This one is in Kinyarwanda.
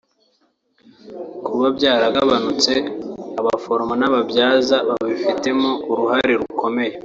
kuba byaragabanutse abaforomo n’ababyaza babifitemo uruhare rukomeye